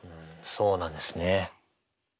そうなんですね。